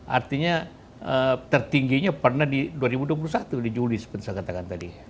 artinya tertingginya pernah di dua ribu dua puluh satu di juli seperti saya katakan tadi